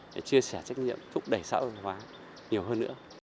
để chia sẻ trách nhiệm thúc đẩy xã hội văn hóa nhiều hơn nữa